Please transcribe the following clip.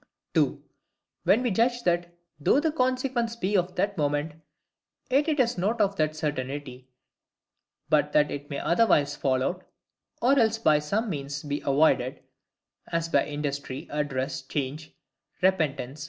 2. When we judge that, though the consequence be of that moment, yet it is not of that certainty, but that it may otherwise fall out, or else by some means be avoided; as by industry, address, change, repentance, &c.